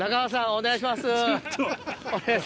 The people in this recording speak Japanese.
お願いします。